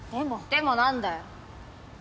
でも何だよ？